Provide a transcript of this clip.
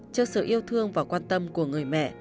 cho sự yêu thương và quan tâm của người mẹ